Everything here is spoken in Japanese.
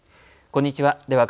こんにちは。